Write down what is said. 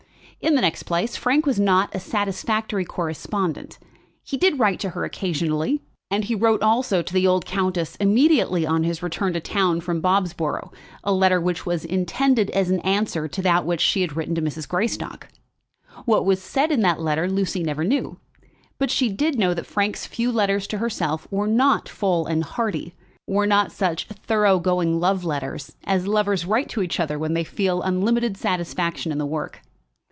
In the next place, Frank was not a satisfactory correspondent. He did write to her occasionally; and he wrote also to the old countess immediately on his return to town from Bobsborough a letter which was intended as an answer to that which she had written to Mrs. Greystock. What was said in that letter Lucy never knew; but she did know that Frank's few letters to herself were not full and hearty, were not such thorough going love letters as lovers write to each other when they feel unlimited satisfaction in the work.